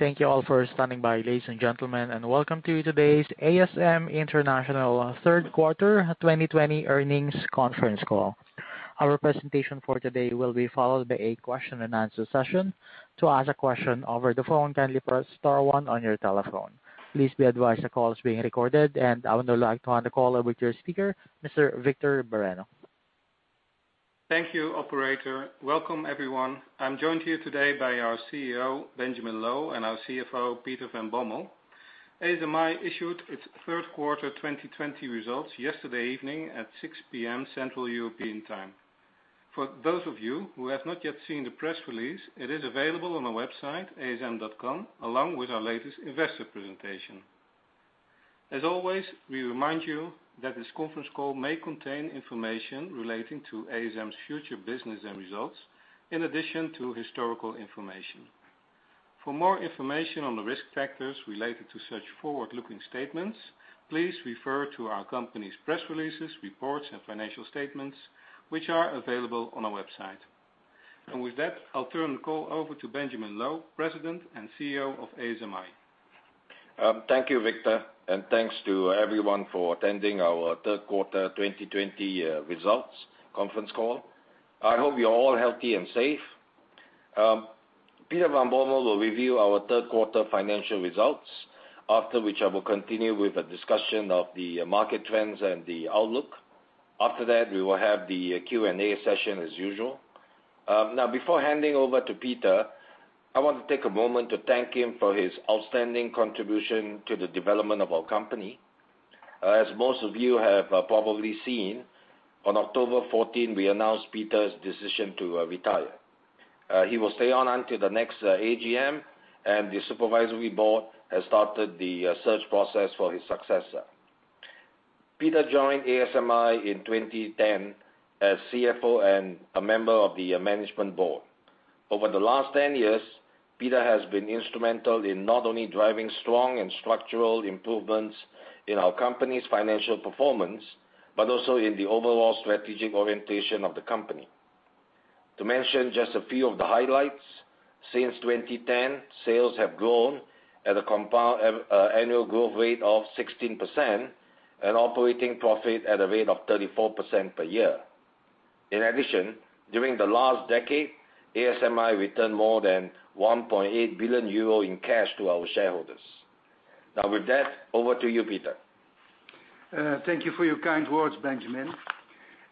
Thank you all for standing by, ladies and gentlemen, and welcome to today's ASM International third quarter 2020 earnings conference call. Our presentation for today will be followed by a question and answer session. To ask a question over the phone, kindly press star one on your telephone. Please be advised the call is being recorded, and I would now like to hand the call over to your speaker, Mr. Victor Bareño. Thank you, operator. Welcome, everyone. I'm joined here today by our CEO, Benjamin Loh, and our CFO, Peter van Bommel. ASMI issued its third quarter 2020 results yesterday evening at 6:00 P.M., Central European Time. For those of you who have not yet seen the press release, it is available on our website, asm.com, along with our latest investor presentation. As always, we remind you that this conference call may contain information relating to ASM's future business and results, in addition to historical information. For more information on the risk factors related to such forward-looking statements, please refer to our company's press releases, reports, and financial statements, which are available on our website. With that, I'll turn the call over to Benjamin Loh, President and CEO of ASMI. Thank you, Victor, and thanks to everyone for attending our third quarter 2020 results conference call. I hope you're all healthy and safe. Peter van Bommel will review our third quarter financial results, after which I will continue with a discussion of the market trends and the outlook. After that, we will have the Q&A session as usual. Now, before handing over to Peter, I want to take a moment to thank him for his outstanding contribution to the development of our company. As most of you have probably seen, on October 14, we announced Peter's decision to retire. He will stay on until the next AGM, and the supervisory board has started the search process for his successor. Peter joined ASMI in 2010 as CFO and a member of the management board. Over the last 10 years, Peter has been instrumental in not only driving strong and structural improvements in our company's financial performance, but also in the overall strategic orientation of the company. To mention just a few of the highlights, since 2010, sales have grown at a compound annual growth rate of 16% and operating profit at a rate of 34% per year. In addition, during the last decade, ASMI returned more than 1.8 billion euro in cash to our shareholders. Now with that, over to you, Peter. Thank you for your kind words, Benjamin.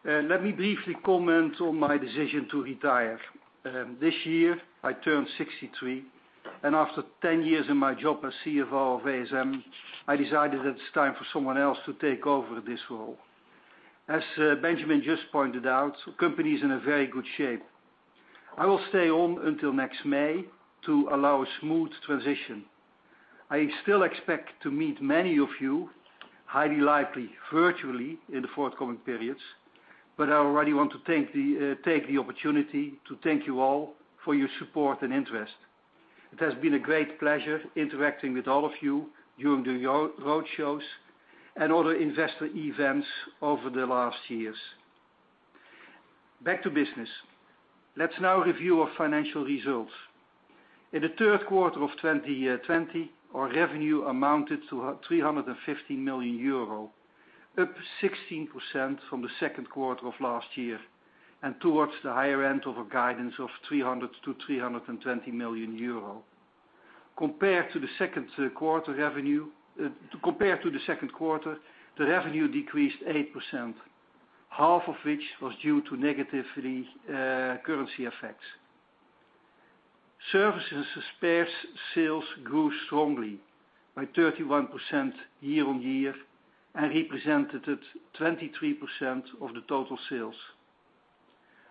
Let me briefly comment on my decision to retire. This year, I turned 63, and after 10 years in my job as CFO of ASM, I decided that it's time for someone else to take over this role. As Benjamin just pointed out, the company is in a very good shape. I will stay on until next May to allow a smooth transition. I still expect to meet many of you, highly likely virtually, in the forthcoming periods, but I already want to take the opportunity to thank you all for your support and interest. It has been a great pleasure interacting with all of you during the road shows and other investor events over the last years. Back to business. Let's now review our financial results. In the third quarter of 2020, our revenue amounted to 315 million euro, up 16% from the second quarter of last year, and towards the higher end of our guidance of 300 million-320 million euro. Compared to the second quarter, the revenue decreased 8%, half of which was due to negative currency effects. Services spares sales grew strongly, by 31% year-on-year, and represented 23% of the total sales.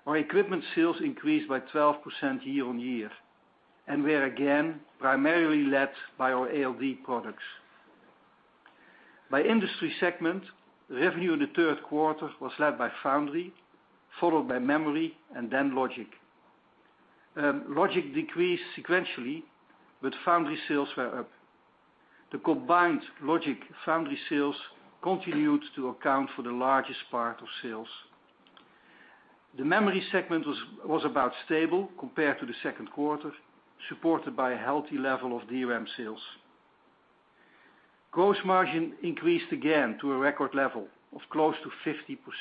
Our equipment sales increased by 12% year-on-year, and were again, primarily led by our ALD products. By industry segment, revenue in the third quarter was led by foundry, followed by memory, and then logic. Logic decreased sequentially, Foundry sales were up. The combined logic foundry sales continued to account for the largest part of sales. The memory segment was about stable compared to the second quarter, supported by a healthy level of DRAM sales. Gross margin increased again to a record level of close to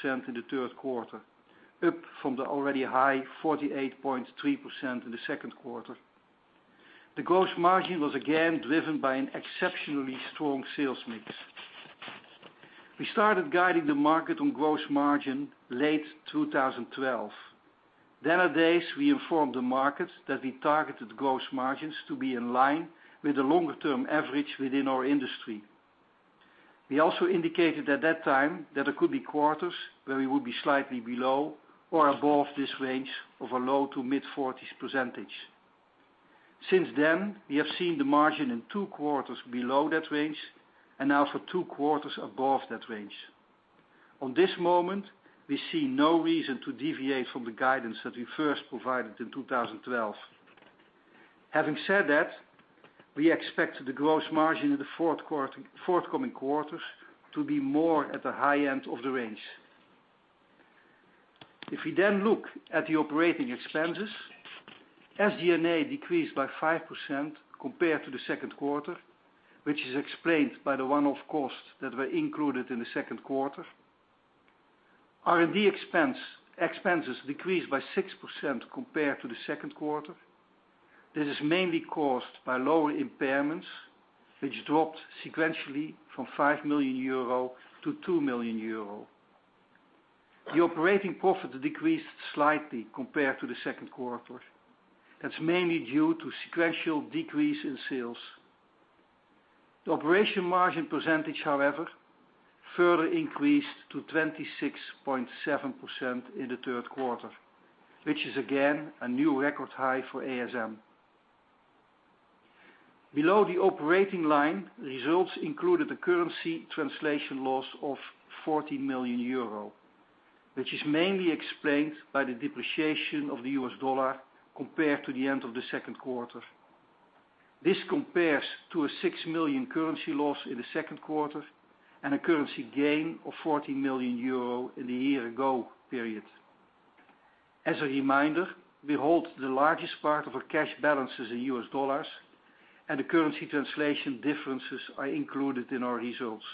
50% in the third quarter, up from the already high 48.3% in the second quarter. The gross margin was again driven by an exceptionally strong sales mix. We started guiding the market on gross margin late 2012. At ACE, we informed the market that we targeted gross margins to be in line with the longer-term average within our industry. We also indicated at that time that there could be quarters where we would be slightly below or above this range of a low to mid-40s percentage. Since then, we have seen the margin in two quarters below that range and now for two quarters above that range. At this moment, we see no reason to deviate from the guidance that we first provided in 2012. Having said that, we expect the gross margin in the forthcoming quarters to be more at the high end of the range. If we look at the operating expenses, SG&A decreased by 5% compared to the second quarter, which is explained by the one-off costs that were included in the second quarter. R&D expenses decreased by 6% compared to the second quarter. This is mainly caused by lower impairments, which dropped sequentially from 5 million euro to 2 million euro. The operating profit decreased slightly compared to the second quarter. That's mainly due to sequential decrease in sales. The operating margin percentage, however, further increased to 26.7% in the third quarter, which is again, a new record high for ASMI. Below the operating line, results included a currency translation loss of 14 million euro, which is mainly explained by the depreciation of the U.S. dollar compared to the end of the second quarter. This compares to a 6 million currency loss in the second quarter and a currency gain of 14 million euro in the year-ago period. As a reminder, we hold the largest part of our cash balances in U.S. Dollars. The currency translation differences are included in our results.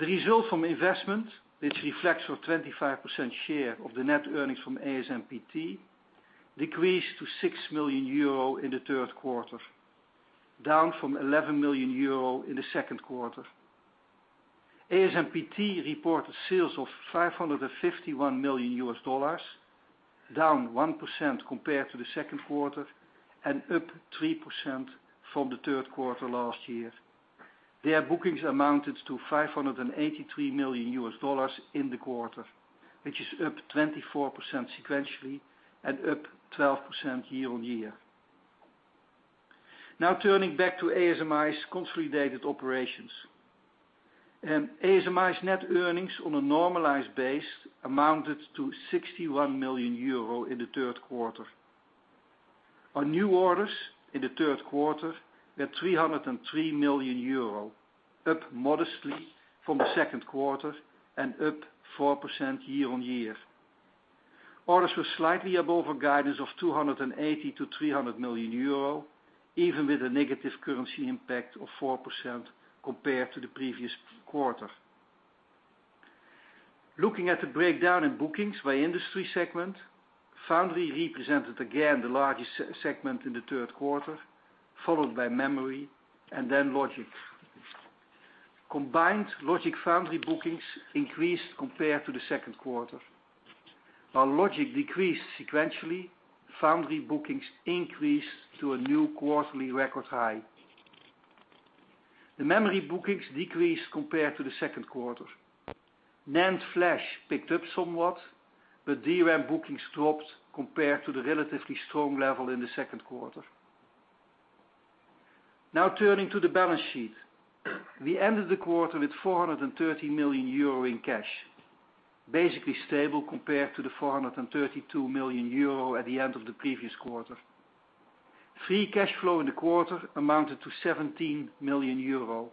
The result from investment, which reflects our 25% share of the net earnings from ASMPT, decreased to 6 million euro in the third quarter, down from 11 million euro in the second quarter. ASMPT reported sales of EUR 551 million, down 1% compared to the second quarter and up 3% from the third quarter last year. Their bookings amounted to EUR 583 million in the quarter, which is up 24% sequentially and up 12% year-on-year. Now turning back to ASMI's consolidated operations. ASMI's net earnings on a normalized base amounted to 61 million euro in the third quarter. Our new orders in the third quarter were 303 million euro, up modestly from the second quarter and up 4% year-on-year. Orders were slightly above our guidance of 280 million-300 million euro, even with a negative currency impact of 4% compared to the previous quarter. Looking at the breakdown in bookings by industry segment, foundry represented again the largest segment in the third quarter, followed by memory, and then logic. Combined logic foundry bookings increased compared to the second quarter. While logic decreased sequentially, foundry bookings increased to a new quarterly record high. The memory bookings decreased compared to the second quarter. NAND flash picked up somewhat, DRAM bookings dropped compared to the relatively strong level in the second quarter. Turning to the balance sheet. We ended the quarter with 430 million euro in cash, basically stable compared to the 432 million euro at the end of the previous quarter. Free cash flow in the quarter amounted to 17 million euro.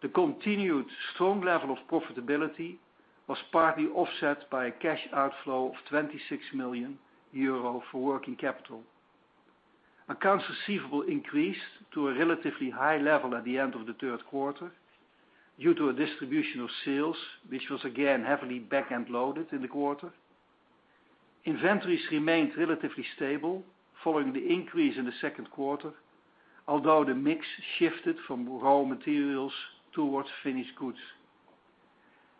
The continued strong level of profitability was partly offset by a cash outflow of 26 million euro for working capital. Accounts receivable increased to a relatively high level at the end of the third quarter due to a distribution of sales, which was again heavily back-end loaded in the quarter. Inventories remained relatively stable following the increase in the second quarter, although the mix shifted from raw materials towards finished goods.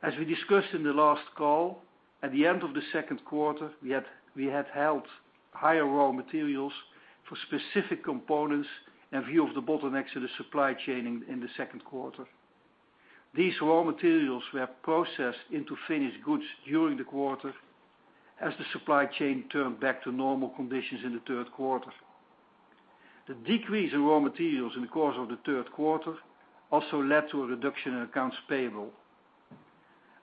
As we discussed in the last call, at the end of the second quarter, we had held higher raw materials for specific components in view of the bottlenecks in the supply chain in the second quarter. These raw materials were processed into finished goods during the quarter as the supply chain turned back to normal conditions in the third quarter. The decrease in raw materials in the course of the third quarter also led to a reduction in accounts payable.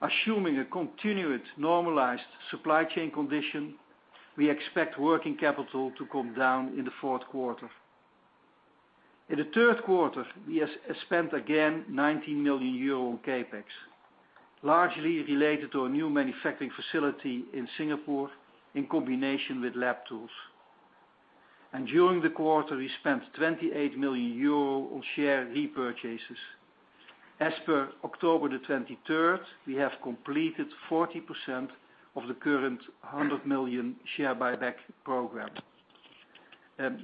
Assuming a continued normalized supply chain condition, we expect working capital to come down in the fourth quarter. In the third quarter, we have spent again 19 million euro on CapEx, largely related to a new manufacturing facility in Singapore in combination with lab tools. During the quarter, we spent 28 million euro on share repurchases. As per October the 23rd, we have completed 40% of the current 100 million share buyback program.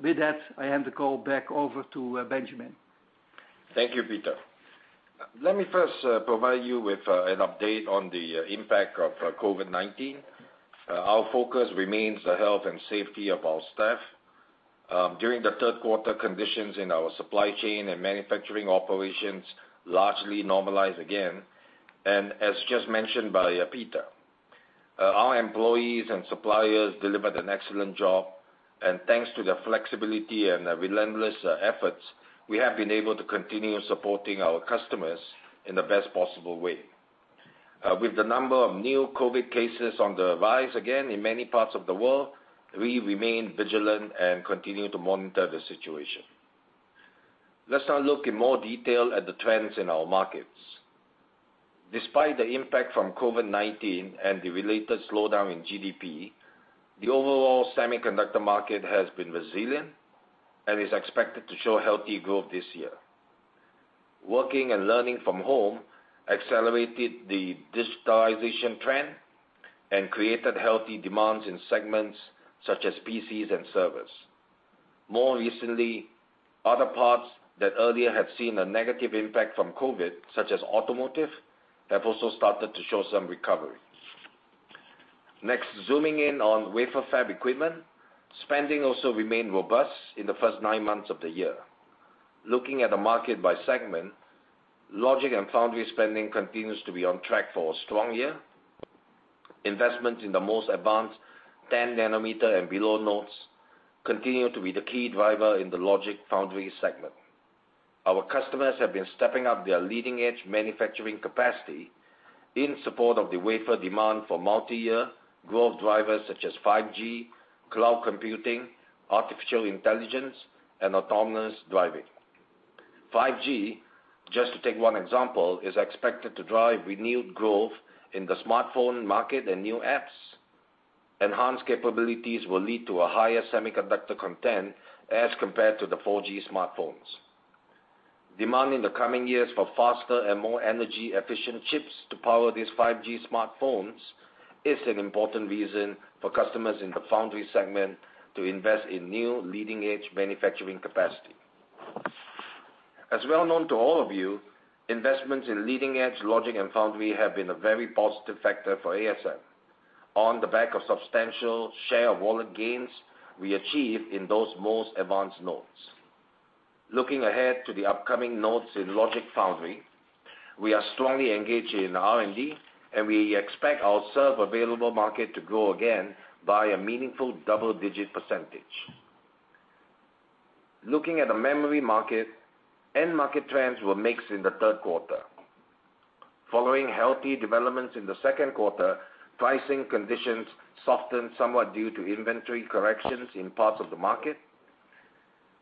With that, I hand the call back over to Benjamin. Thank you, Peter. Let me first provide you with an update on the impact of COVID-19. Our focus remains the health and safety of our staff. During the third quarter, conditions in our supply chain and manufacturing operations largely normalized again. As just mentioned by Peter, our employees and suppliers delivered an excellent job. Thanks to their flexibility and relentless efforts, we have been able to continue supporting our customers in the best possible way. With the number of new COVID cases on the rise again in many parts of the world, we remain vigilant and continue to monitor the situation. Let's now look in more detail at the trends in our markets. Despite the impact from COVID-19 and the related slowdown in GDP, the overall semiconductor market has been resilient and is expected to show healthy growth this year. Working and learning from home accelerated the digitalization trend and created healthy demands in segments such as PCs and servers. More recently, other parts that earlier had seen a negative impact from COVID-19, such as automotive, have also started to show some recovery. Next, zooming in on wafer fab equipment, spending also remained robust in the first nine months of the year. Looking at the market by segment, logic and foundry spending continues to be on track for a strong year. Investment in the most advanced 10 nm and below nodes continue to be the key driver in the logic foundry segment. Our customers have been stepping up their leading-edge manufacturing capacity in support of the wafer demand for multi-year growth drivers such as 5G, cloud computing, artificial intelligence, and autonomous driving. 5G, just to take one example, is expected to drive renewed growth in the smartphone market and new apps. Enhanced capabilities will lead to a higher semiconductor content as compared to the 4G smartphones. Demand in the coming years for faster and more energy-efficient chips to power these 5G smartphones is an important reason for customers in the foundry segment to invest in new leading-edge manufacturing capacity. As well known to all of you, investments in leading-edge logic and foundry have been a very positive factor for ASM. On the back of substantial share of wallet gains, we achieved in those most advanced nodes. Looking ahead to the upcoming nodes in logic foundry, we are strongly engaged in R&D, and we expect our served available market to grow again by a meaningful double-digit percentage. Looking at the memory market, end market trends were mixed in the third quarter. Following healthy developments in the second quarter, pricing conditions softened somewhat due to inventory corrections in parts of the market.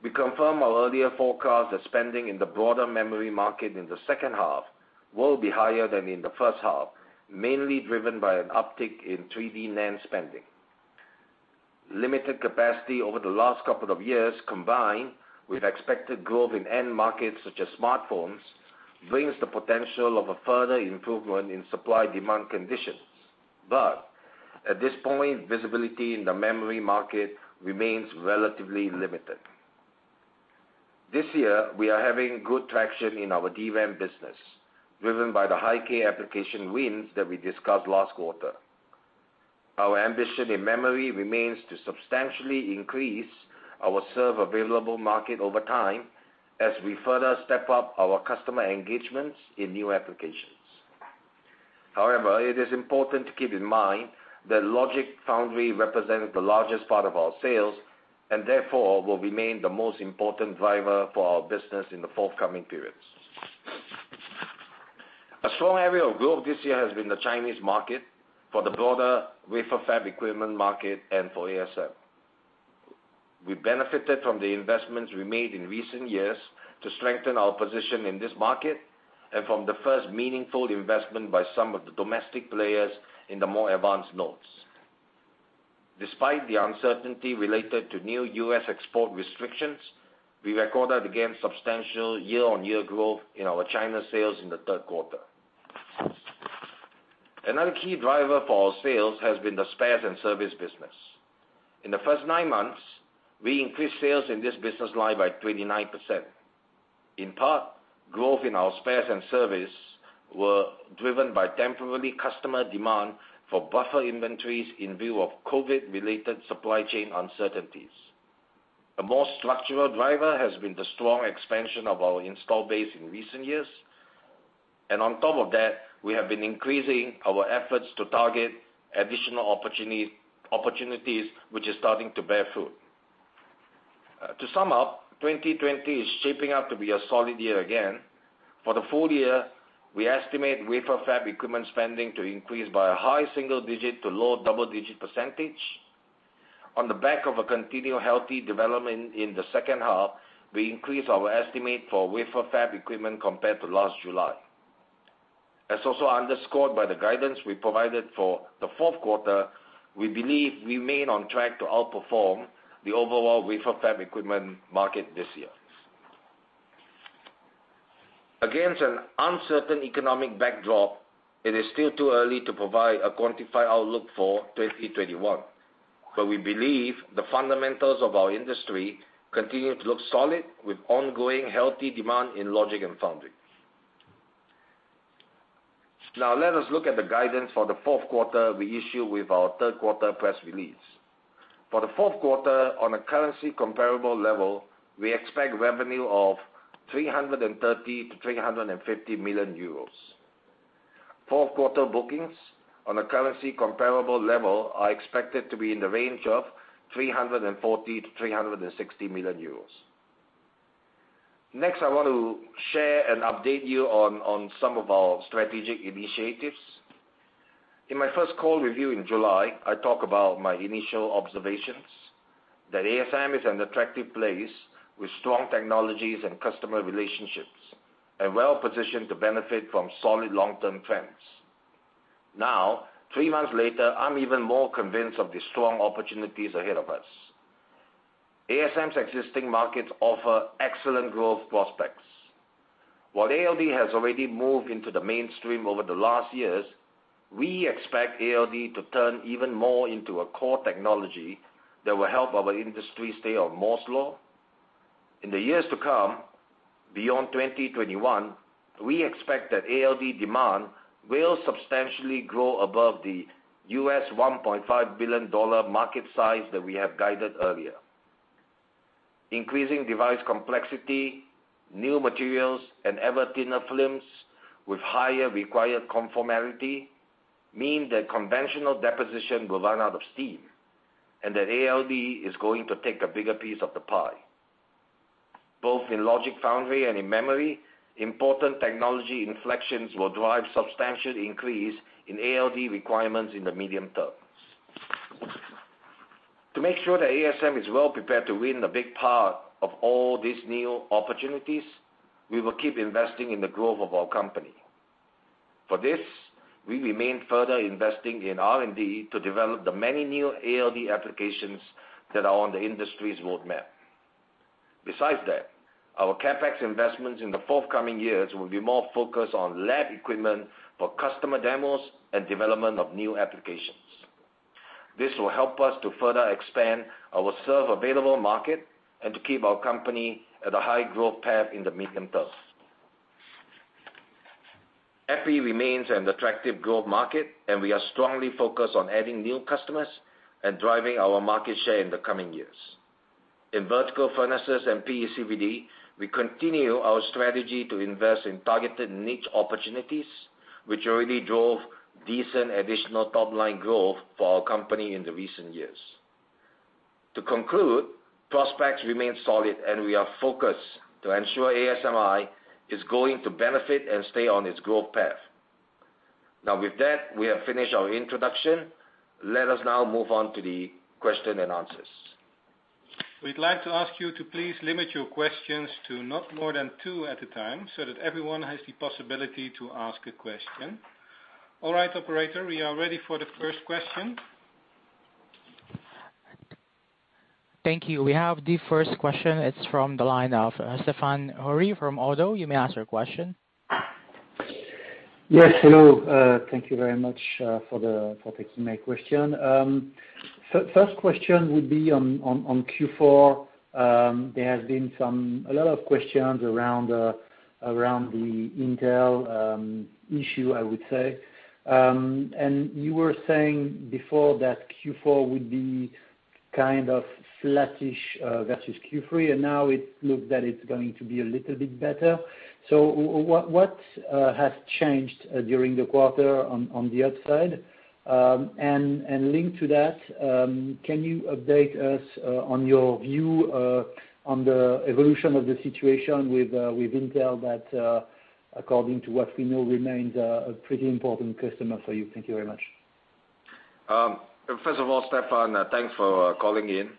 We confirm our earlier forecast that spending in the broader memory market in the second half will be higher than in the first half, mainly driven by an uptick in 3D NAND spending. Limited capacity over the last couple of years, combined with expected growth in end markets such as smartphones, brings the potential of a further improvement in supply-demand conditions. At this point, visibility in the memory market remains relatively limited. This year, we are having good traction in our DRAM business, driven by the high-k application wins that we discussed last quarter. Our ambition in memory remains to substantially increase our served available market over time as we further step up our customer engagements in new applications. However, it is important to keep in mind that logic foundry represents the largest part of our sales, and therefore will remain the most important driver for our business in the forthcoming periods. A strong area of growth this year has been the Chinese market for the broader wafer fab equipment market and for ASM. We benefited from the investments we made in recent years to strengthen our position in this market and from the first meaningful investment by some of the domestic players in the more advanced nodes. Despite the uncertainty related to new U.S. export restrictions, we recorded again substantial year-on-year growth in our China sales in the third quarter. Another key driver for our sales has been the spares and service business. In the first nine months, we increased sales in this business line by 29%. In part, growth in our spares and service were driven by temporary customer demand for buffer inventories in view of COVID-related supply chain uncertainties. A more structural driver has been the strong expansion of our install base in recent years. On top of that, we have been increasing our efforts to target additional opportunities, which is starting to bear fruit. To sum up, 2020 is shaping up to be a solid year again. For the full year, we estimate wafer fab equipment spending to increase by a high single-digit to low double-digit percentage. On the back of a continued healthy development in the second half, we increased our estimate for wafer fab equipment compared to last July. As also underscored by the guidance we provided for the fourth quarter, we believe we remain on track to outperform the overall wafer fab equipment market this year. Against an uncertain economic backdrop, it is still too early to provide a quantified outlook for 2021, but we believe the fundamentals of our industry continue to look solid with ongoing healthy demand in logic and foundry. Now, let us look at the guidance for the fourth quarter we issued with our third quarter press release. For the fourth quarter, on a currency comparable level, we expect revenue of 330 million-350 million euros. Fourth quarter bookings on a currency comparable level are expected to be in the range of 340 million-360 million euros. Next, I want to share and update you on some of our strategic initiatives. In my first call with you in July, I talk about my initial observations that ASM is an attractive place with strong technologies and customer relationships, and well-positioned to benefit from solid long-term trends. Now, three months later, I'm even more convinced of the strong opportunities ahead of us. ASM's existing markets offer excellent growth prospects. While ALD has already moved into the mainstream over the last years, we expect ALD to turn even more into a core technology that will help our industry stay on Moore's law. In the years to come, beyond 2021, we expect that ALD demand will substantially grow above the $1.5 billion market size that we have guided earlier. Increasing device complexity, new materials, and ever thinner films with higher required conformality mean that conventional deposition will run out of steam, and that ALD is going to take a bigger piece of the pie. Both in logic foundry and in memory, important technology inflections will drive substantial increase in ALD requirements in the medium terms. To make sure that ASM is well-prepared to win the big part of all these new opportunities, we will keep investing in the growth of our company. For this, we remain further investing in R&D to develop the many new ALD applications that are on the industry's roadmap. Besides that, our CapEx investments in the forthcoming years will be more focused on lab equipment for customer demos and development of new applications. This will help us to further expand our serve available market and to keep our company at a high growth path in the medium term. EPI remains an attractive growth market, and we are strongly focused on adding new customers and driving our market share in the coming years. In vertical furnaces and PECVD, we continue our strategy to invest in targeted niche opportunities, which already drove decent additional top-line growth for our company in the recent years. To conclude, prospects remain solid, and we are focused to ensure ASMI is going to benefit and stay on its growth path. Now, with that, we have finished our introduction. Let us now move on to the question and answers. We'd like to ask you to please limit your questions to not more than two at a time, so that everyone has the possibility to ask a question. All right, operator. We are ready for the first question. Thank you. We have the first question. It's from the line of Stéphane Houri from ODDO. You may ask your question. Yes, hello. Thank you very much for taking my question. First question would be on Q4. There has been a lot of questions around the Intel issue, I would say. You were saying before that Q4 would be kind of flattish versus Q3, and now it looks that it's going to be a little bit better. What has changed during the quarter on the outside? Linked to that, can you update us on your view on the evolution of the situation with Intel that, according to what we know, remains a pretty important customer for you? Thank you very much. First of all, Stéphane, thanks for calling in.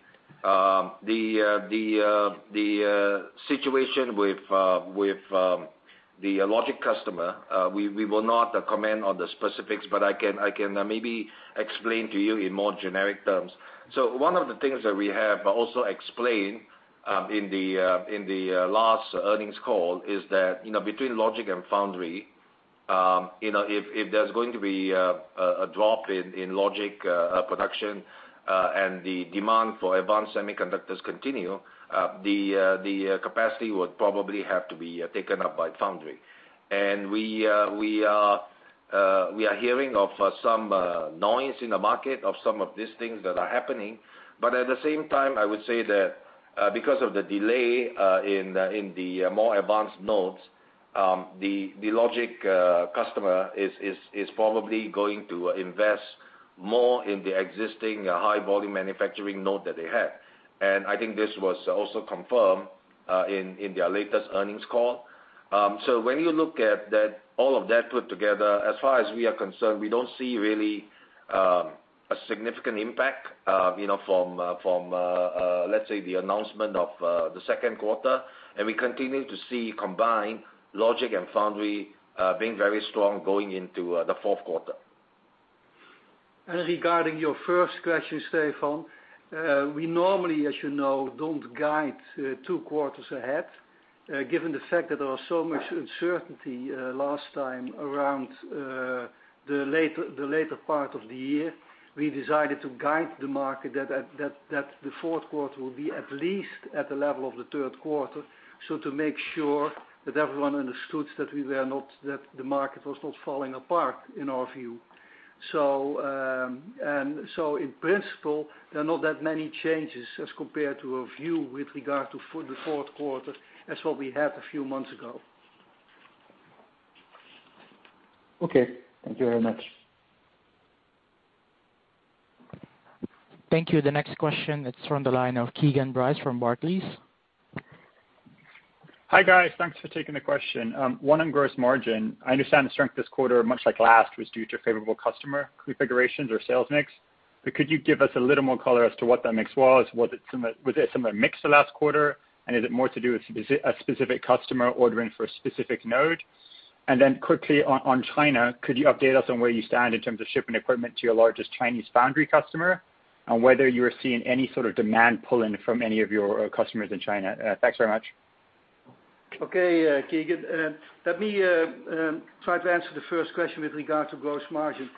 The situation with the logic customer, we will not comment on the specifics, but I can maybe explain to you in more generic terms. One of the things that we have also explained in the last earnings call is that, between logic and foundry, if there's going to be a drop in logic production and the demand for advanced semiconductors continue, the capacity would probably have to be taken up by foundry. We are hearing of some noise in the market of some of these things that are happening. At the same time, I would say that because of the delay in the more advanced nodes, the logic customer is probably going to invest more in the existing high volume manufacturing node that they have. I think this was also confirmed in their latest earnings call. When you look at all of that put together, as far as we are concerned, we don't see really a significant impact from, let's say, the announcement of the second quarter. We continue to see combined logic and foundry being very strong going into the fourth quarter. Regarding your first question, Stéphane, we normally, as you know, don't guide two quarters ahead. Given the fact that there was so much uncertainty last time around the later part of the year, we decided to guide the market that the fourth quarter will be at least at the level of the third quarter, to make sure that everyone understood that the market was not falling apart in our view. In principle, there are not that many changes as compared to our view with regard to the fourth quarter as what we had a few months ago. Okay. Thank you very much. Thank you. The next question is from the line of Keagan Bryce from Barclays. Hi, guys. Thanks for taking the question. One on gross margin. Could you give us a little more color as to what that mix was? Was it similar mix to last quarter? Is it more to do with a specific customer ordering for a specific node? Quickly on China, could you update us on where you stand in terms of shipping equipment to your largest Chinese foundry customer? On whether you are seeing any sort of demand pull-in from any of your customers in China. Thanks very much. Okay, Keagan. Let me try to answer the first question with regard to gross margin.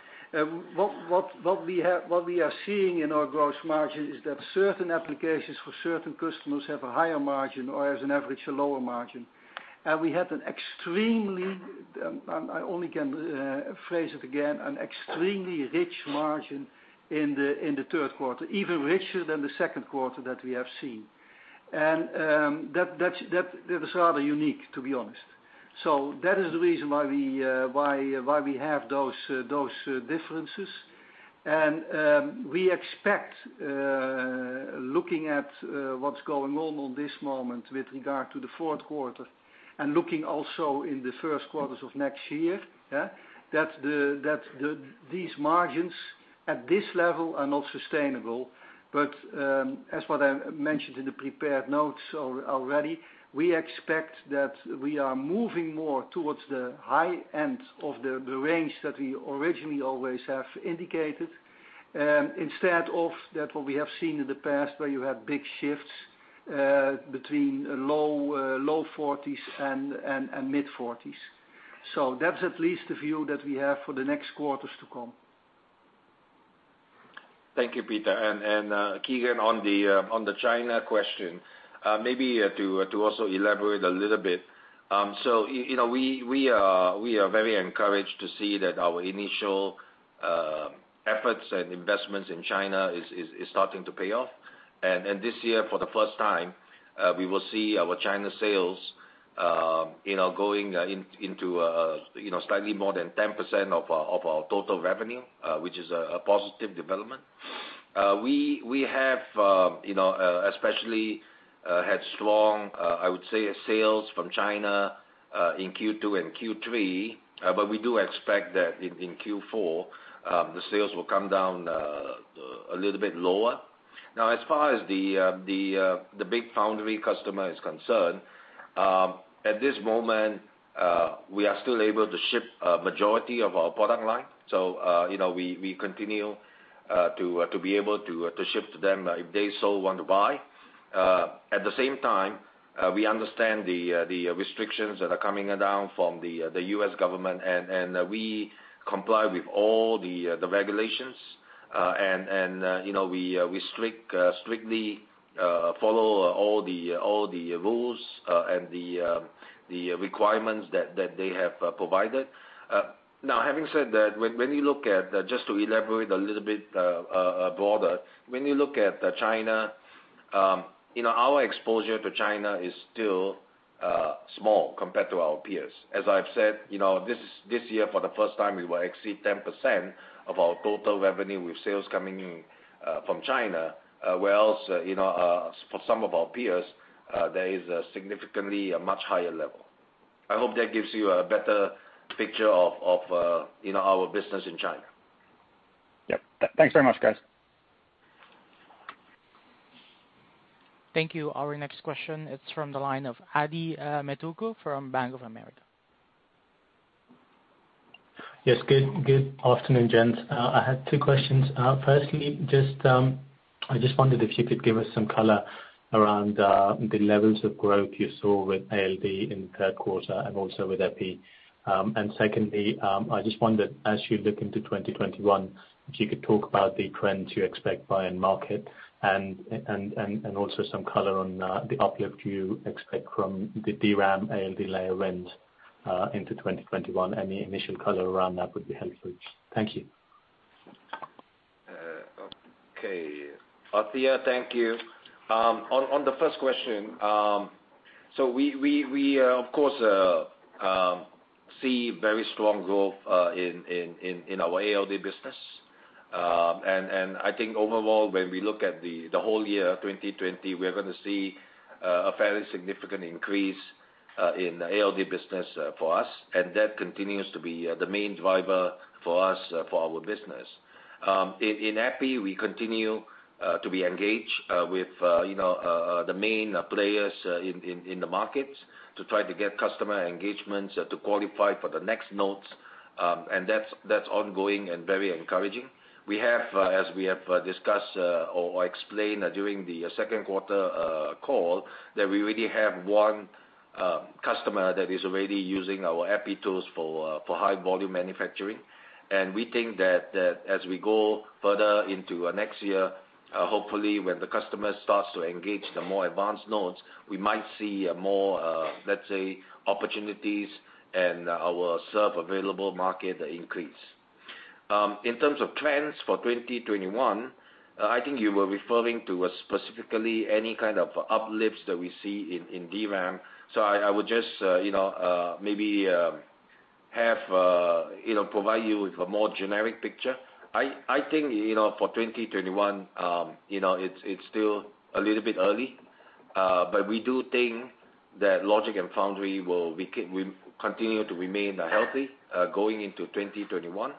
What we are seeing in our gross margin is that certain applications for certain customers have a higher margin or as an average, a lower margin. We had an extremely, I only can phrase it again, an extremely rich margin in the third quarter, even richer than the second quarter that we have seen. That is rather unique, to be honest. We expect, looking at what's going on in this moment with regard to the fourth quarter and looking also in the first quarters of next year, that these margins at this level are not sustainable. As what I mentioned in the prepared notes already, we expect that we are moving more towards the high end of the range that we originally always have indicated, instead of that what we have seen in the past, where you have big shifts between low 40s and mid 40s. That's at least the view that we have for the next quarters to come. Thank you, Peter. Keagan, on the China question, maybe to also elaborate a little bit. We are very encouraged to see that our initial efforts and investments in China is starting to pay off. This year, for the first time, we will see our China sales going into slightly more than 10% of our total revenue, which is a positive development. We have especially had strong, I would say, sales from China, in Q2 and Q3. We do expect that in Q4, the sales will come down a little bit lower. As far as the big foundry customer is concerned, at this moment, we are still able to ship a majority of our product line. We continue to be able to ship to them if they so want to buy. At the same time, we understand the restrictions that are coming down from the U.S. government, and we comply with all the regulations. We strictly follow all the rules and the requirements that they have provided. Having said that, just to elaborate a little bit broader, when you look at China, our exposure to China is still small compared to our peers. As I've said, this year, for the first time, we will exceed 10% of our total revenue with sales coming in from China. Where else, for some of our peers, there is a significantly much higher level. I hope that gives you a better picture of our business in China. Yep. Thanks very much, guys. Thank you. Our next question is from the line of Adithya Metuku from Bank of America. Yes. Good afternoon, gents. I had two questions. Firstly, I just wondered if you could give us some color around the levels of growth you saw with ALD in the third quarter and also with EPI. Secondly, I just wondered, as you look into 2021, if you could talk about the trends you expect by end market and also some color on the uplift you expect from the DRAM ALD layer win into 2021. Any initial color around that would be helpful. Thank you. Okay. Adithya, thank you. On the first question, we, of course, see very strong growth in our ALD business. I think overall, when we look at the whole year 2020, we are going to see a fairly significant increase in the ALD business for us, and that continues to be the main driver for us, for our business. In EPI, we continue to be engaged with the main players in the markets to try to get customer engagements to qualify for the next nodes. That's ongoing and very encouraging. We have, as we have discussed or explained during the second quarter call, that we already have one customer that is already using our EPI tools for high volume manufacturing. We think that as we go further into next year, hopefully when the customer starts to engage the more advanced nodes, we might see more, let's say, opportunities and our serve available market increase. In terms of trends for 2021, I think you were referring to specifically any kind of uplifts that we see in DRAM. I would just maybe provide you with a more generic picture. I think for 2021, it's still a little bit early, but we do think that logic and foundry will continue to remain healthy going into 2021.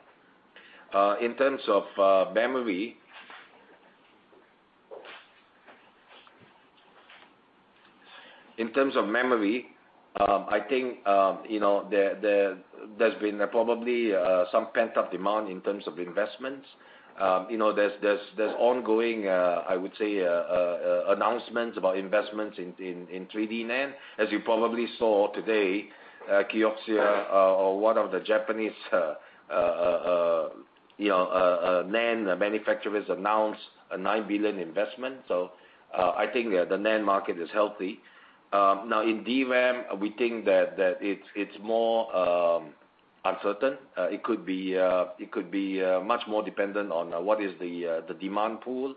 In terms of memory, I think there's been probably some pent-up demand in terms of investments. There's ongoing, I would say, announcements about investments in 3D NAND. As you probably saw today, KIOXIA, or one of the Japanese NAND manufacturers, announced a 9 billion investment. I think the NAND market is healthy. In DRAM, we think that it's more uncertain. It could be much more dependent on what is the demand pool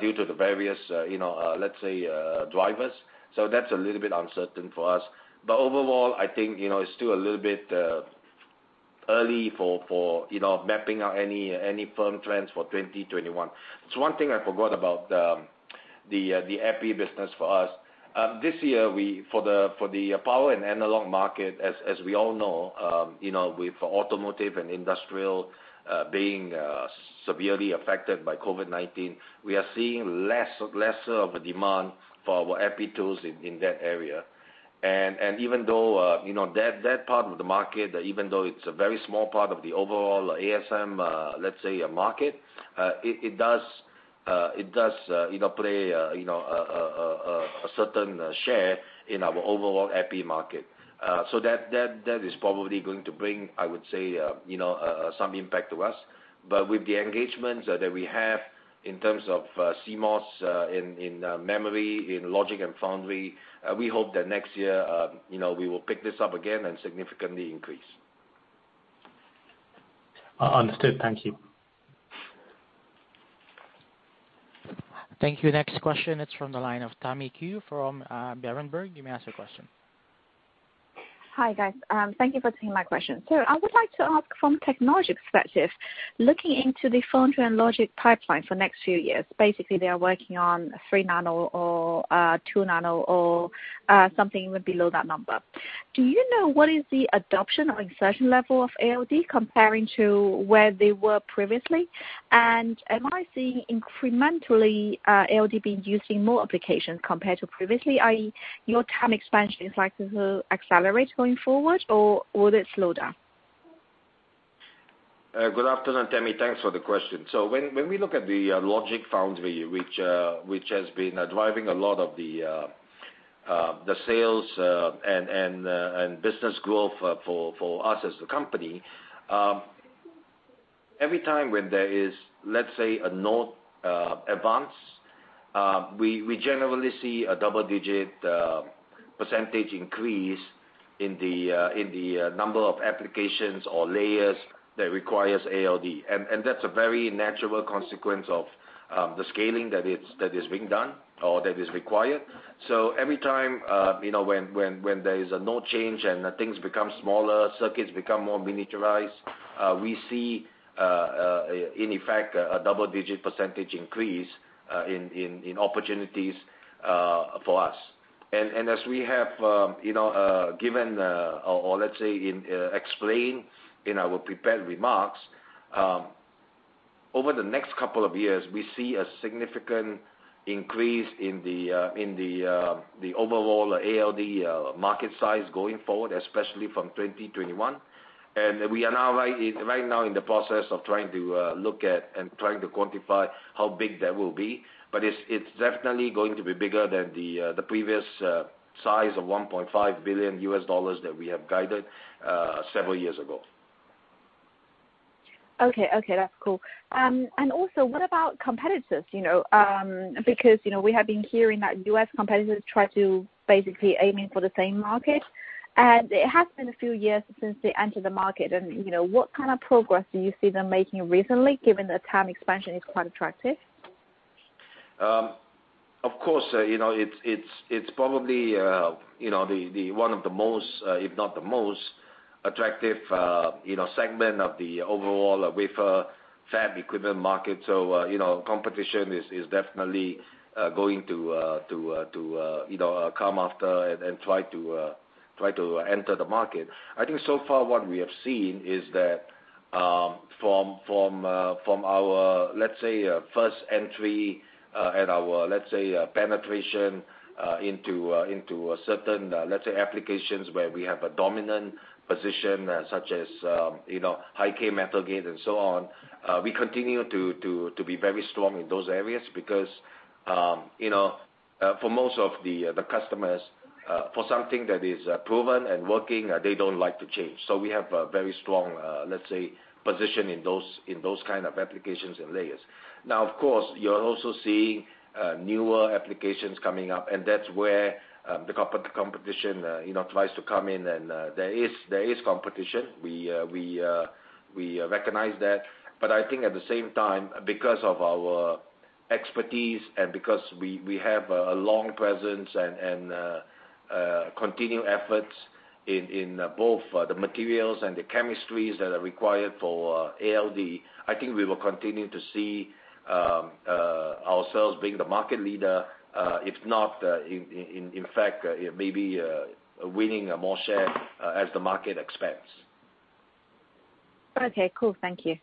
due to the various, let's say, drivers. That's a little bit uncertain for us. Overall, I think it's still a little bit early for mapping out any firm trends for 2021. There's one thing I forgot about the EPI business for us. This year, for the power and analog market, as we all know, with automotive and industrial being severely affected by COVID-19, we are seeing lesser of a demand for our EPI tools in that area. Even though that part of the market, even though it's a very small part of the overall ASM, let's say, market, it does play a certain share in our overall EPI market. That is probably going to bring, I would say, some impact to us. With the engagements that we have in terms of CMOS in memory, in logic and foundry, we hope that next year we will pick this up again and significantly increase. Understood. Thank you. Thank you. Next question. It is from the line of Tammy Qiu from Berenberg. You may ask your question. Hi, guys. Thank you for taking my question. I would like to ask from technology perspective, looking into the foundry and logic pipeline for next few years, basically they are working on three nano or two nano or something even below that number. Do you know what is the adoption or insertion level of ALD comparing to where they were previously? Am I seeing incrementally ALD being used in more applications compared to previously, i.e., your TAM expansion is likely to accelerate going forward or would it slow down? Good afternoon, Tammy. Thanks for the question. When we look at the logic foundry, which has been driving a lot of the sales and business growth for us as a company, every time when there is, let's say, a node advance, we generally see a double-digit percentage increase in the number of applications or layers that requires ALD. That's a very natural consequence of the scaling that is being done or that is required. Every time when there is a node change and things become smaller, circuits become more miniaturized, we see, in effect, a double-digit percentage increase in opportunities for us. As we have given or let's say explained in our prepared remarks, over the next couple of years, we see a significant increase in the overall ALD market size going forward, especially from 2021. We are right now in the process of trying to look at and trying to quantify how big that will be. It's definitely going to be bigger than the previous size of $1.5 billion U.S. that we have guided several years ago. Okay. That's cool. Also, what about competitors? Because we have been hearing that U.S. competitors try to basically aim in for the same market, and it has been a few years since they entered the market. What kind of progress do you see them making recently, given the TAM expansion is quite attractive? It's probably one of the most, if not the most, attractive segment of the overall wafer fab equipment market. Competition is definitely going to come after and try to enter the market. I think so far what we have seen is that from our, let's say, first entry and our, let's say, penetration into a certain, let's say, applications where we have a dominant position, such as high-k metal gate and so on, we continue to be very strong in those areas because for most of the customers, for something that is proven and working, they don't like to change. We have a very strong, let's say, position in those kind of applications and layers. You are also seeing newer applications coming up, and that's where the competition tries to come in, and there is competition. We recognize that. I think at the same time, because of our expertise, and because we have a long presence and continued efforts in both the materials and the chemistries that are required for ALD, I think we will continue to see ourselves being the market leader. If not, in fact, maybe winning more share as the market expands. Okay, cool. Thank you.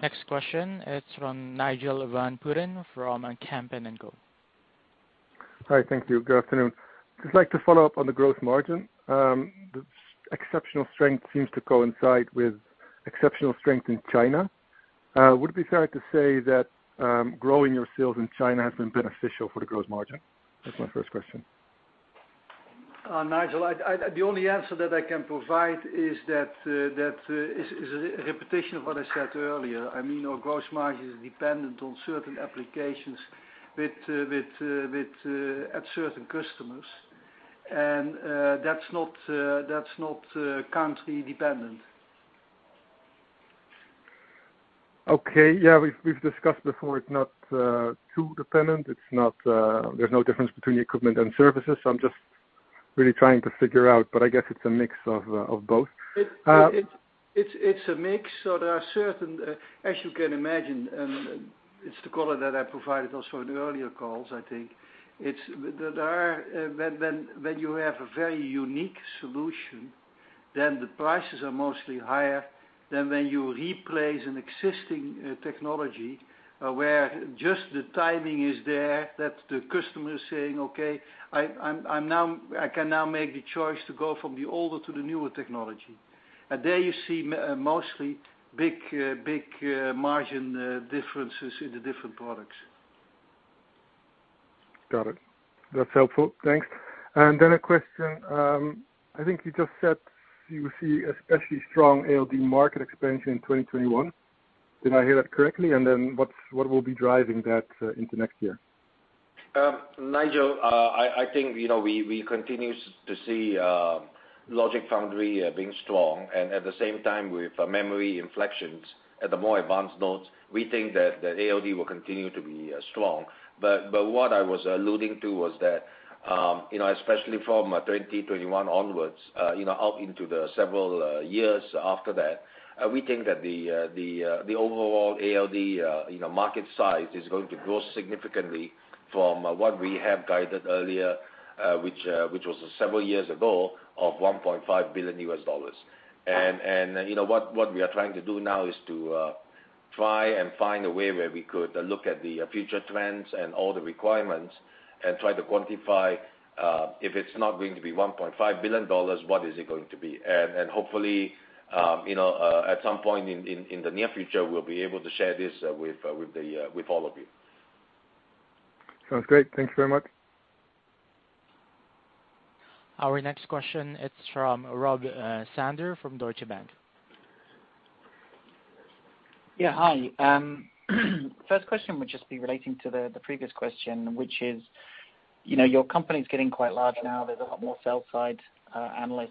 Next question is from Nigel van Putten from Kempen & Co. Hi. Thank you. Good afternoon. I'd like to follow up on the gross margin. The exceptional strength seems to coincide with exceptional strength in China. Would it be fair to say that growing your sales in China has been beneficial for the gross margin? That is my first question. Nigel, the only answer that I can provide is a repetition of what I said earlier. Our gross margin is dependent on certain applications at certain customers. That's not country-dependent. Okay. Yeah. We've discussed before, it's not too dependent. There's no difference between equipment and services. I'm just really trying to figure out, but I guess it's a mix of both. It's a mix. There are certain, as you can imagine, and it's the color that I provided also in the earlier calls, I think. When you have a very unique solution, then the prices are mostly higher than when you replace an existing technology, where just the timing is there, that the customer is saying, okay, I can now make the choice to go from the older to the newer technology. There you see mostly big margin differences in the different products. Got it. That's helpful. Thanks. A question, I think you just said you see especially strong ALD market expansion in 2021. Did I hear that correctly? What will be driving that into next year? Nigel, I think, we continue to see logic foundry being strong, and at the same time, with memory inflections at the more advanced nodes, we think that the ALD will continue to be strong. What I was alluding to was that, especially from 2021 onwards, out into the several years after that, we think that the overall ALD market size is going to grow significantly from what we have guided earlier, which was several years ago, of EUR 1.5 billion. What we are trying to do now is to try and find a way where we could look at the future trends and all the requirements and try to quantify, if it's not going to be EUR 1.5 billion, what is it going to be? Hopefully, at some point in the near future, we'll be able to share this with all of you. Sounds great. Thank you very much. Our next question is from Rob Sanders from Deutsche Bank. Yeah. Hi. First question would just be relating to the previous question, which is, your company's getting quite large now. There's a lot more sell-side analysts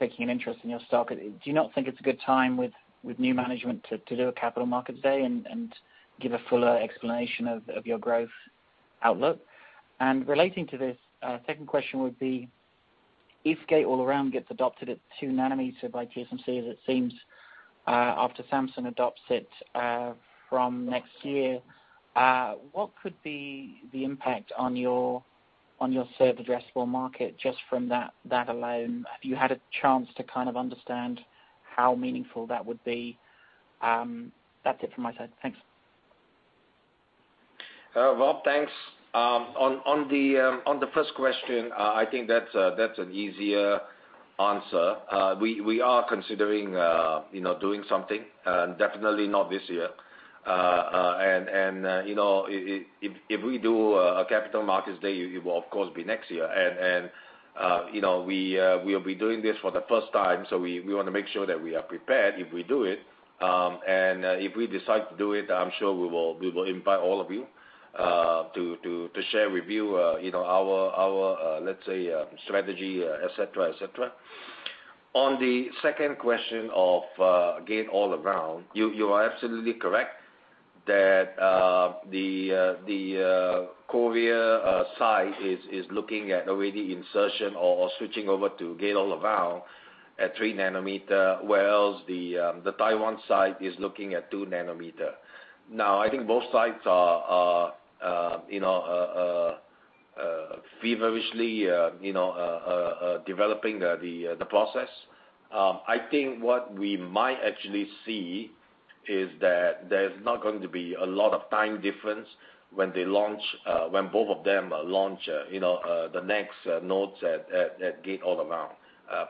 taking an interest in your stock. Do you not think it's a good time with new management to do a capital markets day and give a fuller explanation of your growth outlook? Relating to this, second question would be, if Gate-All-Around gets adopted at 2 nm by TSMC, as it seems, after Samsung adopts it from next year, what could be the impact on your served addressable market just from that alone? Have you had a chance to kind of understand how meaningful that would be? That's it from my side. Thanks. Rob, thanks. On the first question, I think that's an easier answer. We are considering doing something, definitely not this year. If we do a capital markets day, it will of course be next year. If we decide to do it, I'm sure we will invite all of you to share with you our, let's say, strategy, et cetera. On the second question of Gate-All-Around, you are absolutely correct that the Korea site is looking at already insertion or switching over to Gate-All-Around at 3 nm, whereas the Taiwan site is looking at 2 nm. I think both sites are feverishly developing the process. I think what we might actually see is that there's not going to be a lot of time difference when both of them launch the next nodes at Gate-All-Around.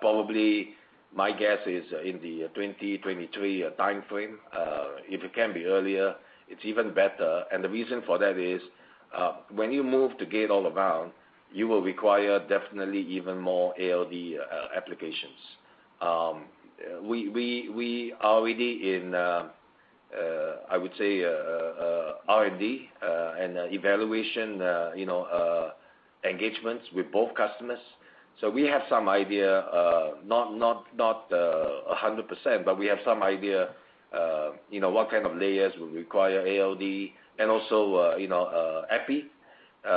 Probably, my guess is in the 2023 timeframe. If it can be earlier, it's even better. The reason for that is, when you move to Gate-All-Around, you will require definitely even more ALD applications. We are already in, I would say R&D and evaluation engagements with both customers. We have some idea, not 100%, but we have some idea what kind of layers will require ALD and also EPI.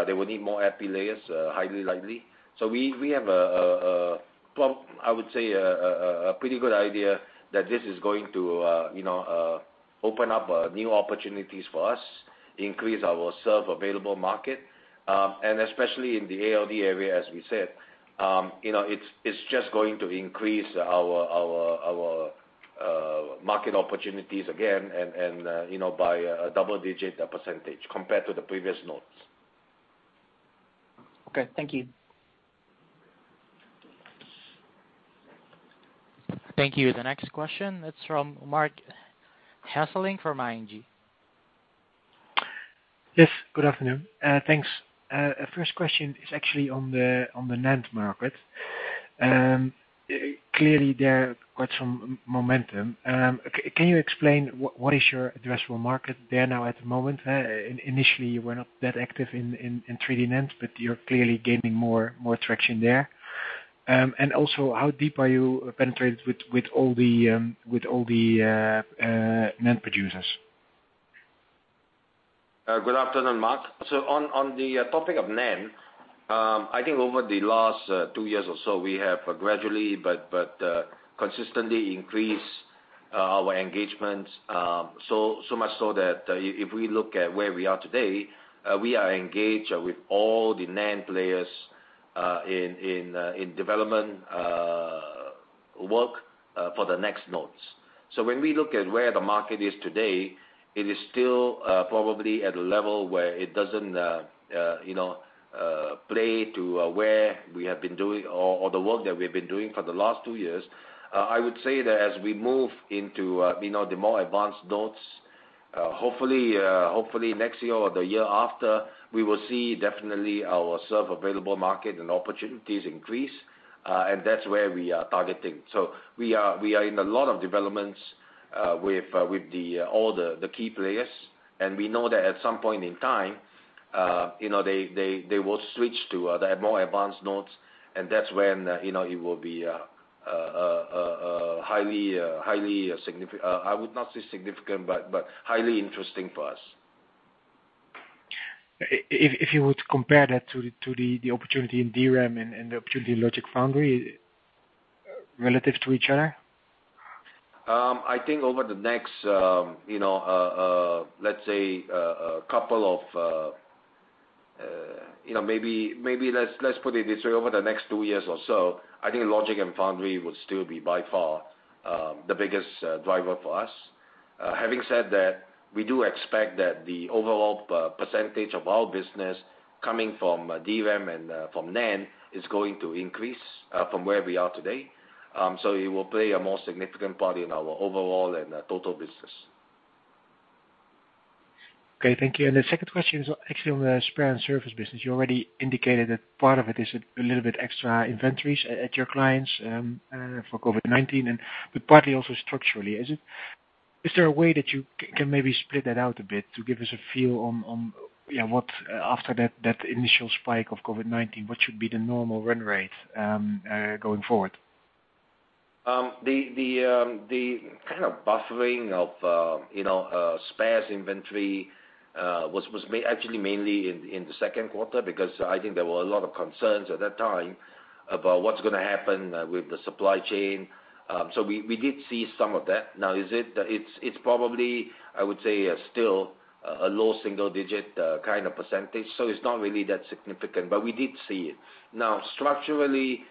They will need more EPI layers, highly likely. We have, I would say, a pretty good idea that this is going to open up new opportunities for us, increase our serve available market, and especially in the ALD area, as we said. It's just going to increase our market opportunities again and by a double-digit percentage compared to the previous nodes. Okay. Thank you. Thank you. The next question is from Marc Hesselink from ING. Yes, good afternoon. Thanks. First question is actually on the NAND market. Clearly, there is quite some momentum. Can you explain what is your addressable market there now at the moment? Initially, you were not that active in 3D NAND, but you're clearly gaining more traction there. Also, how deep are you penetrated with all the NAND producers? Good afternoon, Marc. On the topic of NAND, I think over the last two years or so, we have gradually but consistently increased our engagement. Much so that if we look at where we are today, we are engaged with all the NAND players in development work for the next nodes. When we look at where the market is today, it is still probably at a level where it doesn't play to where we have been doing or the work that we've been doing for the last two years. I would say that as we move into the more advanced nodes, hopefully next year or the year after, we will see definitely our serve available market and opportunities increase, and that's where we are targeting. We are in a lot of developments with all the key players, and we know that at some point in time they will switch to the more advanced nodes, and that's when it will be I would not say significant, but highly interesting for us. If you were to compare that to the opportunity in DRAM and the opportunity in logic foundry relative to each other? I think over the next two years or so, I think logic and foundry would still be by far the biggest driver for us. Having said that, we do expect that the overall percentage of our business coming from DRAM and from NAND is going to increase from where we are today. It will play a more significant part in our overall and total business. Okay, thank you. The second question is actually on the spare and service business. You already indicated that part of it is a little bit extra inventories at your clients for COVID-19, but partly also structurally. Is there a way that you can maybe split that out a bit to give us a feel on what, after that initial spike of COVID-19, what should be the normal run rate going forward? The kind of buffering of spares inventory was actually mainly in the second quarter because I think there were a lot of concerns at that time about what's going to happen with the supply chain. We did see some of that. Now, it's probably, I would say, still a low single digit kind of percentage, so it's not really that significant, but we did see it. Now, structurally,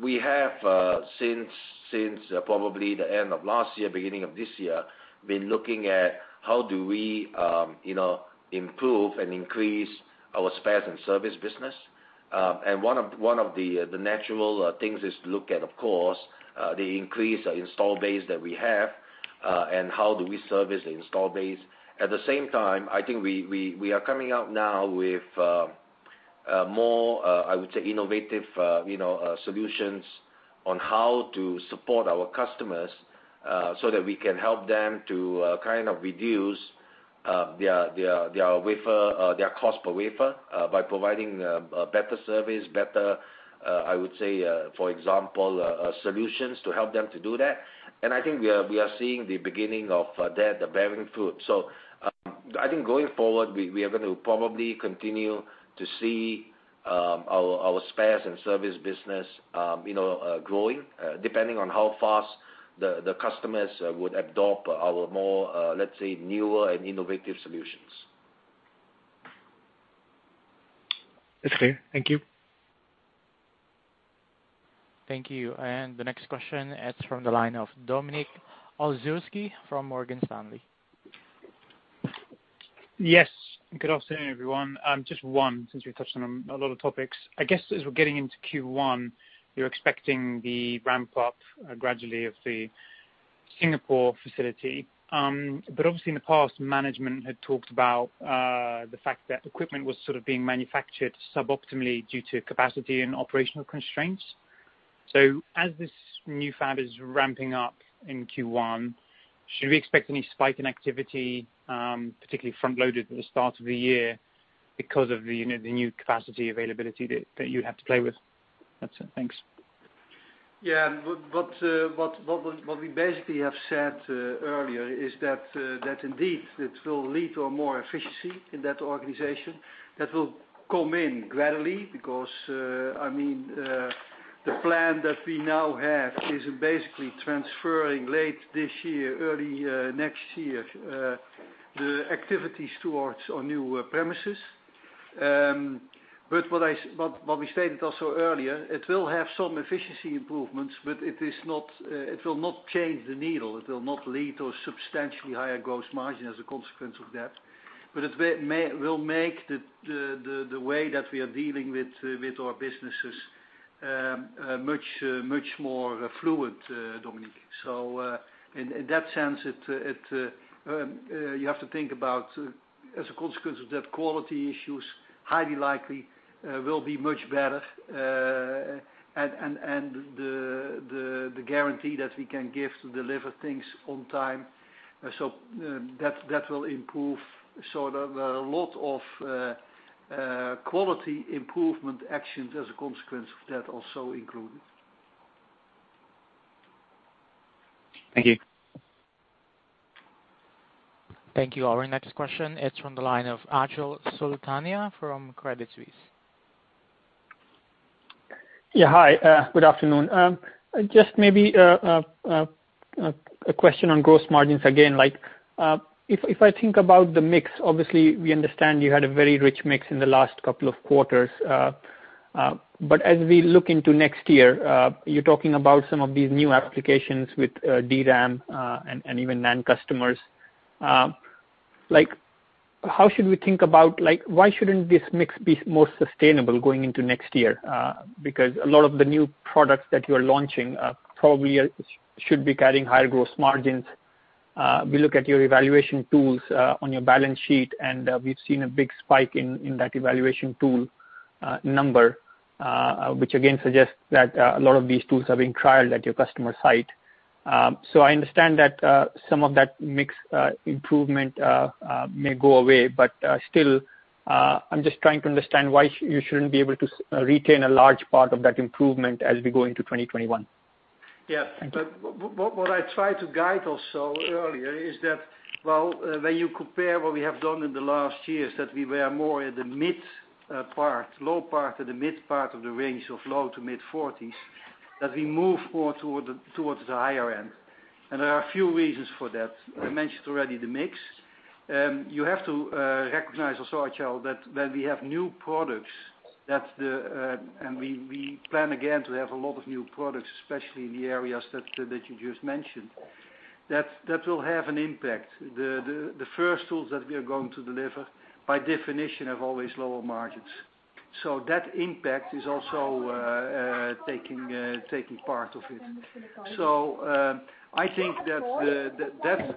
we have, since probably the end of last year, beginning of this year, been looking at how do we improve and increase our spares and service business. One of the natural things is to look at, of course, the increased install base that we have and how do we service the install base. At the same time, I think we are coming out now with more, I would say, innovative solutions on how to support our customers so that we can help them to kind of reduce their cost per wafer by providing better service, better, I would say, for example, solutions to help them to do that. I think we are seeing the beginning of that bearing fruit. I think going forward, we are going to probably continue to see our spares and service business growing, depending on how fast the customers would adopt our more, let's say, newer and innovative solutions. It's clear. Thank you. Thank you. The next question is from the line of Dominik Olszewski from Morgan Stanley. Yes. Good afternoon, everyone. Just one, since we touched on a lot of topics. I guess as we're getting into Q1, you're expecting the ramp up gradually of the Singapore facility. Obviously, in the past, management had talked about the fact that equipment was sort of being manufactured suboptimally due to capacity and operational constraints. As this new fab is ramping up in Q1, should we expect any spike in activity, particularly front-loaded at the start of the year because of the new capacity availability that you have to play with? That's it. Thanks. What we basically have said earlier is that indeed, it will lead to more efficiency in that organization. That will come in gradually because the plan that we now have is basically transferring late this year, early next year, the activities towards our new premises. What we stated also earlier, it will have some efficiency improvements, but it will not change the needle. It will not lead to a substantially higher gross margin as a consequence of that. It will make the way that we are dealing with our businesses much more fluid, Dominik. In that sense, you have to think about, as a consequence of that, quality issues, highly likely, will be much better, and the guarantee that we can give to deliver things on time. That will improve. There are a lot of quality improvement actions as a consequence of that also included. Thank you. Thank you. Our next question is from the line of Achal Sultania from Credit Suisse. Yeah, hi. Good afternoon. Just maybe a question on gross margins again. If I think about the mix, obviously, we understand you had a very rich mix in the last couple of quarters. As we look into next year, you're talking about some of these new applications with DRAM, and even NAND customers. How should we think about why shouldn't this mix be more sustainable going into next year? A lot of the new products that you're launching probably should be carrying higher gross margins. We look at your evaluation tools on your balance sheet, and we've seen a big spike in that evaluation tool number, which again suggests that a lot of these tools are being trialed at your customer site. I understand that some of that mix improvement may go away, but still, I'm just trying to understand why you shouldn't be able to retain a large part of that improvement as we go into 2021. Yeah. Thank you. What I tried to guide also earlier is that, well, when you compare what we have done in the last years, that we were more in the mid part, low part or the mid part of the range of low to mid-40s, that we move more towards the higher end. There are a few reasons for that. I mentioned already the mix. You have to recognize also, Achal, that when we have new products, and we plan again to have a lot of new products, especially in the areas that you just mentioned, that will have an impact. The first tools that we are going to deliver, by definition, have always lower margins. That impact is also taking part of it. I think that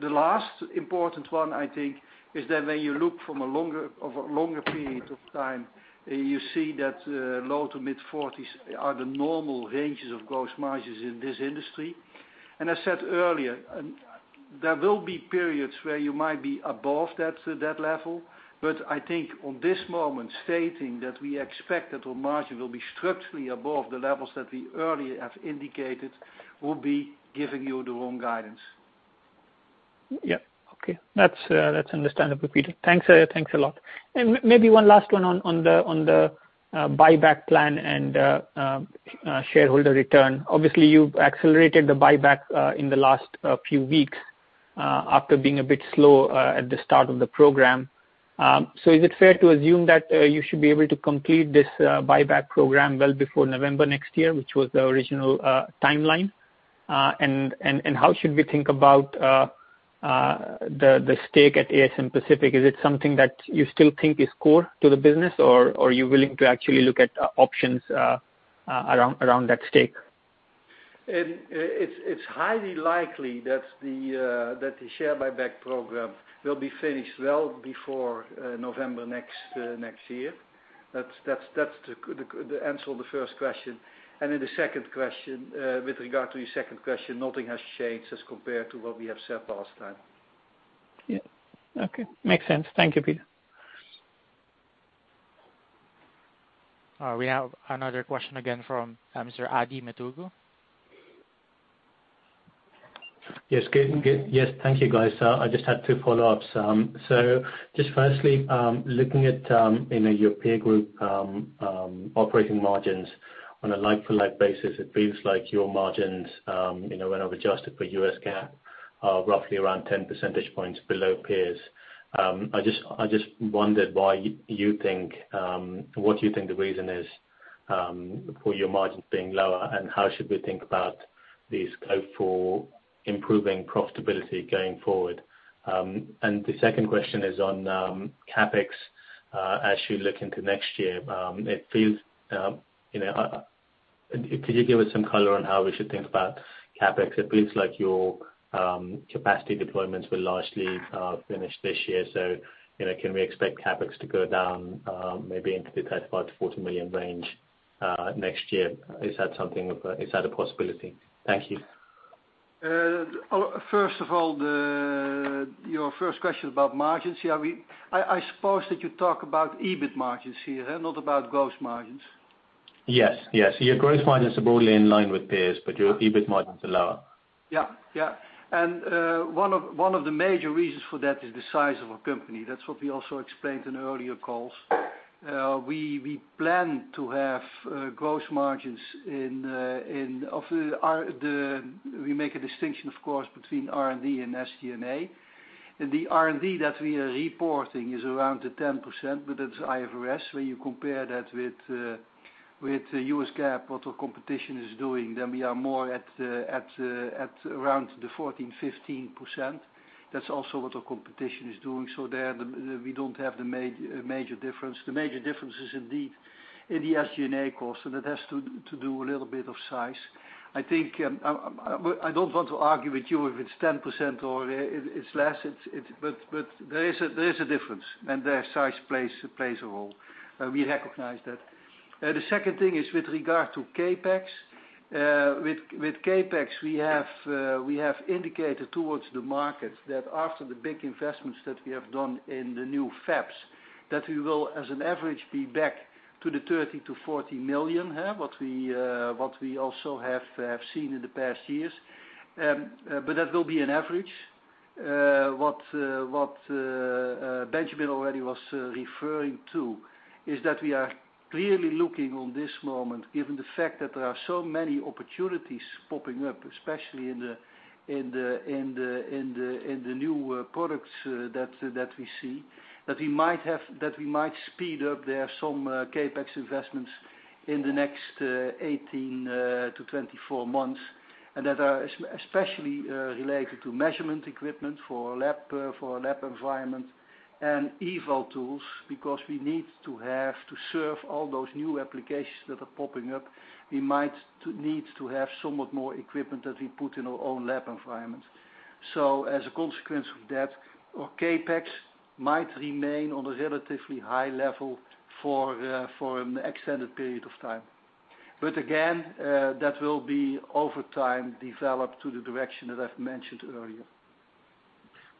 the last important one, I think, is that when you look over a longer period of time, you see that low to mid-40s are the normal ranges of gross margins in this industry. I said earlier, there will be periods where you might be above that level. I think on this moment, stating that we expect that our margin will be structurally above the levels that we earlier have indicated, will be giving you the wrong guidance. Yeah. Okay. That's understandable, Peter. Thanks a lot. Maybe one last one on the buyback plan and shareholder return. Obviously, you've accelerated the buyback in the last few weeks, after being a bit slow at the start of the program. Is it fair to assume that you should be able to complete this buyback program well before November next year, which was the original timeline? How should we think about the stake at ASM Pacific? Is it something that you still think is core to the business, or are you willing to actually look at options around that stake? It's highly likely that the share buyback program will be finished well before November next year. That's the answer on the first question. The second question, with regard to your second question, nothing has changed as compared to what we have said last time. Yeah. Okay. Makes sense. Thank you, Peter. We have another question again from Mr. Adithya Metuku. Yes. Thank you, guys. I just had two follow-ups. Just firstly, looking at your peer group operating margins on a like-for-like basis, it feels like your margins, when adjusted for U.S. GAAP, are roughly around 10 percentage points below peers. I just wondered what you think the reason is for your margins being lower, and how should we think about the scope for improving profitability going forward? The second question is on CapEx. As you look into next year, could you give us some color on how we should think about CapEx? It looks like your capacity deployments were largely finished this year. Can we expect CapEx to go down maybe into the 35 to 40 million range next year? Is that a possibility? Thank you. First of all, your first question about margins. I suppose that you talk about EBIT margins here, not about gross margins. Yes. Your gross margins are broadly in line with peers, but your EBIT margins are lower. Yeah. One of the major reasons for that is the size of our company. That's what we also explained in earlier calls. We plan to have gross margins. We make a distinction, of course, between R&D and SG&A. The R&D that we are reporting is around the 10%, but that's IFRS. When you compare that with the U.S. GAAP, what our competition is doing, then we are more at around the 14%-15%. That's also what our competition is doing. There, we don't have the major difference. The major difference is indeed in the SG&A cost, and it has to do a little bit of size. I don't want to argue with you if it's 10% or it's less, but there is a difference, and there size plays a role. We recognize that. The second thing is with regard to CapEx. With CapEx, we have indicated towards the market that after the big investments that we have done in the new fabs, that we will, as an average, be back to the 30 million-40 million, what we also have seen in the past years. That will be an average. What Benjamin already was referring to is that we are clearly looking on this moment, given the fact that there are so many opportunities popping up, especially in the new products that we see, that we might speed up there some CapEx investments in the next 18-24 months, and that are especially related to measurement equipment for our lab environment and eval tools. We need to serve all those new applications that are popping up, we might need to have somewhat more equipment that we put in our own lab environments. As a consequence of that, our CapEx might remain on a relatively high level for an extended period of time. Again, that will be over time developed to the direction that I've mentioned earlier.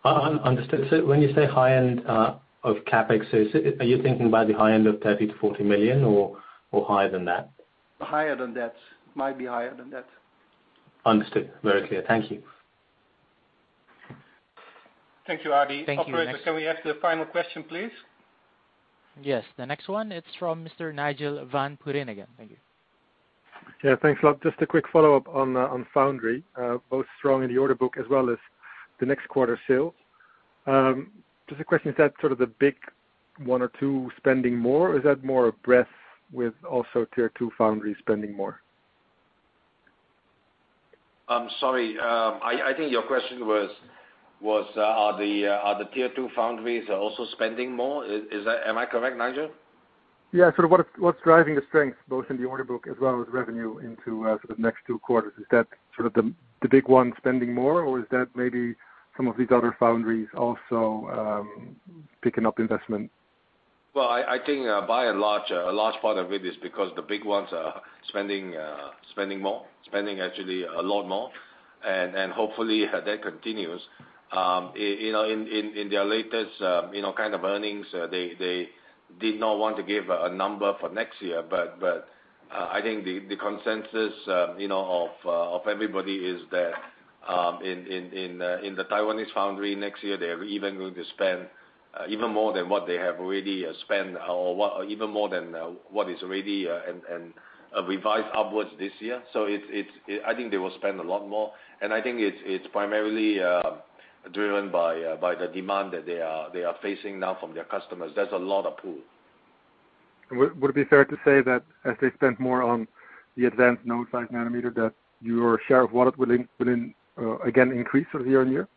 Understood. When you say high end of CapEx, are you thinking about the high end of 30 million-40 million or higher than that? Higher than that. Might be higher than that. Understood. Very clear. Thank you. Thank you, Adithya. Thank you. Operator, can we have the final question, please? Yes. The next one, it's from Mr. Nigel van Putten again. Thank you. Yeah, thanks a lot. Just a quick follow-up on foundry. Both strong in the order book as well as the next quarter sale. Just a question, is that sort of the big one or two spending more, or is that more a breadth with also Tier 2 foundry spending more? Sorry. I think your question was, are the Tier 2 foundries also spending more? Am I correct, Nigel? Yeah. What's driving the strength both in the order book as well as revenue into sort of the next two quarters? Is that sort of the big one spending more, or is that maybe some of these other foundries also picking up investment? I think by and large, a large part of it is because the big ones are spending more, spending actually a lot more, and hopefully that continues. In their latest kind of earnings, they did not want to give a number for next year. I think the consensus of everybody is that in the Taiwanese foundry next year, they are even going to spend even more than what is already revised upwards this year. I think they will spend a lot more, and I think it's primarily driven by the demand that they are facing now from their customers. There's a lot of pull. Would it be fair to say that as they spend more on the advanced node 5 nm, that your share of wallet will again increase year-on-year?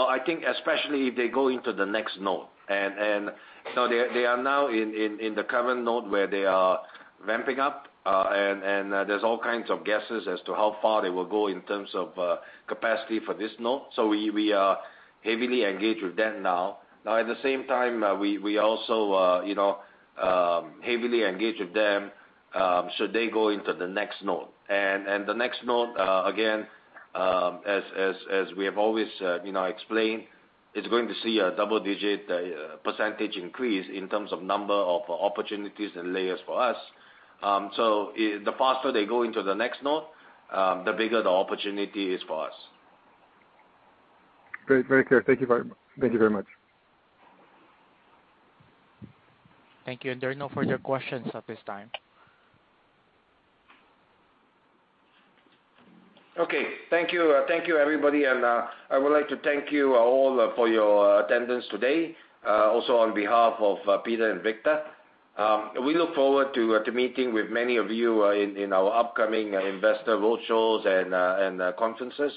I think especially if they go into the next node. They are now in the current node where they are ramping up, and there's all kinds of guesses as to how far they will go in terms of capacity for this node. We are heavily engaged with them now. At the same time, we also heavily engage with them should they go into the next node. The next node, again, as we have always explained, it's going to see a double-digit % increase in terms of number of opportunities and layers for us. The faster they go into the next node, the bigger the opportunity is for us. Great. Very clear. Thank you very much. Thank you. There are no further questions at this time. Okay. Thank you, everybody, and I would like to thank you all for your attendance today, also on behalf of Peter and Victor. We look forward to meeting with many of you in our upcoming investor roadshows and conferences.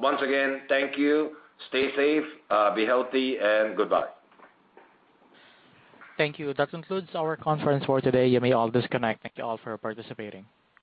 Once again, thank you. Stay safe, be healthy, and goodbye. Thank you. That concludes our conference for today. You may all disconnect. Thank you all for participating.